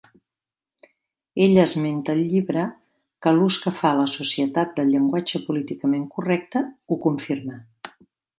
Ella esmenta al llibre, que l'ús que fa la societat del llenguatge políticament correcte ho confirma.